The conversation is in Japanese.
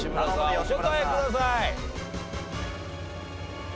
お答えください。